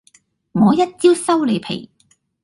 我一招收你皮